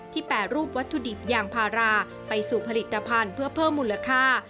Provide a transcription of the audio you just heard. แปรรูปวัตถุดิบยางพาราไปสู่ผลิตภัณฑ์เพื่อเพิ่มมูลค่า